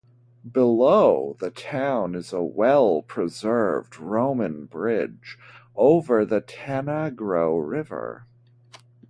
Below the town is a well-preserved Roman bridge over the Tanagro river.